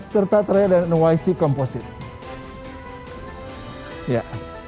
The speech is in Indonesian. serta terakhir ada nyse composite